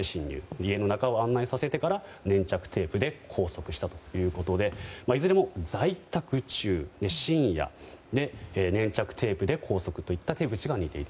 家の中を案内させてから粘着テープで拘束したということでいずれも在宅中で、深夜に粘着テープで拘束といった手口が似ている。